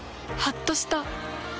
はっとした。